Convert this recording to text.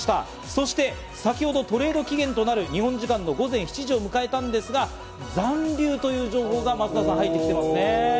そして先ほどトレード期限となる日本時間の午前７時を迎えたんですが、残留という情報が松田さん、入ってきていますね。